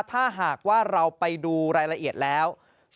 ถ้าหากว่าเราไปดูรายละเอียดแล้ว